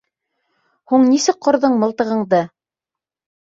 Һуң нисек ҡорҙоң мылтығыңды?